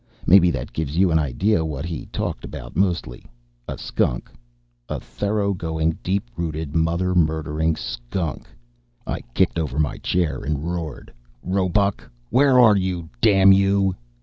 Maybe that gives you an idea what he talked about mostly. A skunk. A thoroughgoing, deep rooted, mother murdering skunk. I kicked over my chair and roared, "Roebuck! Where are you, damn you?"